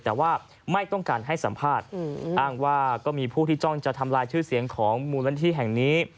แต่ว่าไม่ต้องการให้สัมภาษณ์อ้างว่าก็มีผู้ที่จ้องจะทำลายชื่อเสียงของมูลนิธิแห่งนี้